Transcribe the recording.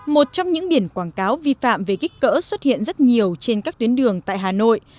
một trong những biển quảng cáo vi phạm về kích cỡ xuất hiện rất nhiều trên các tuyến đường tại hà nội